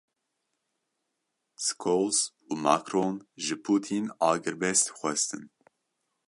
Scholz û Macron ji Putîn agirbest xwestin.